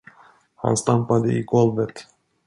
Han stampade i golvet.